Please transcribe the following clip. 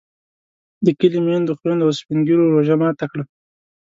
د کلي میندو، خویندو او سپین ږیرو روژه ماته کړه.